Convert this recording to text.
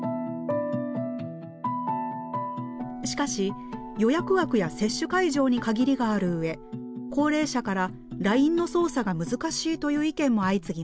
しかし予約枠や接種会場に限りがある上高齢者からＬＩＮＥの操作が難しいという意見も相次ぎました。